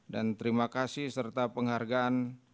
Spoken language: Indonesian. dan terima kasih serta penghargaan